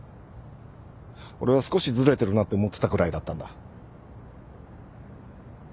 俺は少しずれてるなって思ってたくらいだったんだ。